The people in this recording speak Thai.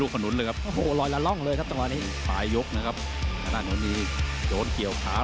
มวยใหญ่มวยยักษ์ต่อยไปมันมันอย่างนี้เลยนะ